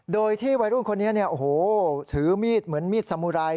โดยที่วัยรุ่นคนนี้ถือมีดเหมือนมีดสมุราย